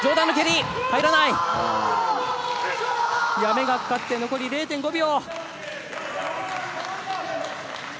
やめがかかって、残り０．５秒。